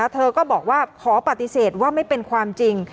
เธอก็บอกว่าขอปฏิเสธว่าไม่เป็นความจริง